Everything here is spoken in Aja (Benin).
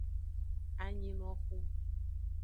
Anyinoxu.